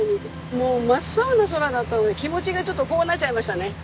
もう真っ青な空だったので気持ちがちょっとこうなっちゃいましたね。